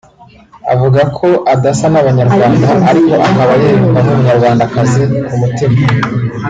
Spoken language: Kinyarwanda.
avuga ko adasa n’abanyarwanda ariko akaba yiyumva nk’umunyarwandakazi ku mutima